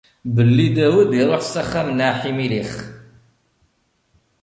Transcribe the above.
Belli Dawed iruḥ s axxam n Aḥimilix.